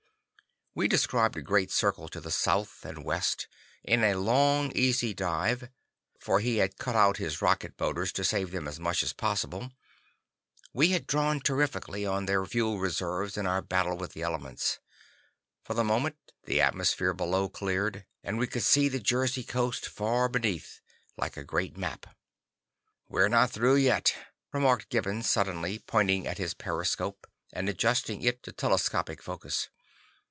We described a great circle to the south and west, in a long easy dive, for he had cut out his rocket motors to save them as much as possible. We had drawn terrifically on their fuel reserves in our battle with the elements. For the moment, the atmosphere below cleared, and we could see the Jersey coast far beneath, like a great map. "We're not through yet," remarked Gibbons suddenly, pointing at his periscope, and adjusting it to telescopic focus.